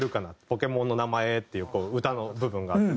「ポケモンのなまえ！」っていう歌の部分があって。